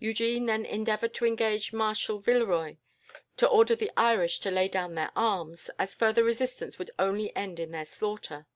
Eugene then endeavoured to engage Marshal Villeroy to order the Irish to lay down their arms, as further resistance would only end in their slaughter.